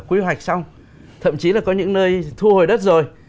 quy hoạch xong thậm chí là có những nơi thu hồi đất rồi